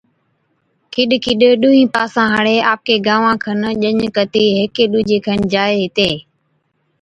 ڪِڏَ ڪِڏَ ڏُونَھين پاسان ھاڙي آپڪي گانوان کن ڄَڃ ڪَتِي ھيڪي ڏُوجي کن جائي ھِتي